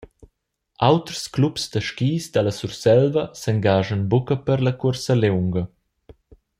Auters clubs da skis dalla Surselva s’engaschan buca per la cuorsa liunga.